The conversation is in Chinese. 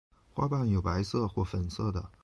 花瓣有白色或粉色的。